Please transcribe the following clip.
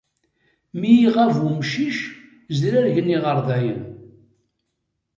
Mi iɣab umcic zrargen iɣerdayen.